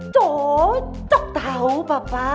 cocok tau papa